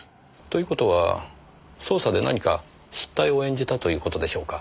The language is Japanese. という事は捜査で何か失態を演じたという事でしょうか？